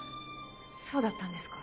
そうだったんですか。